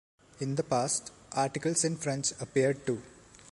In the past, articles in French appeared too.